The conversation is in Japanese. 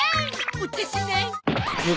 お茶しない？